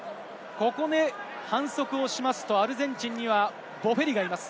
ここで反則をすると、アルゼンチンにはボフェリがいます。